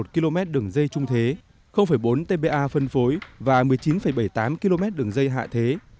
tám một km đường dây trung thế bốn tpa phân phối và một mươi chín bảy mươi tám km đường dây hạ thế